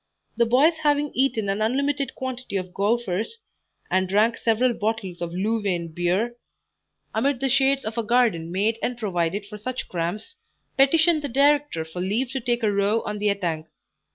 The boys having eaten an unlimited quantity of "gaufres," and drank several bottles of Louvain beer, amid the shades of a garden made and provided for such crams, petitioned the director for leave to take a row on the etang.